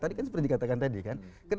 tadi kan seperti dikatakan tadi kan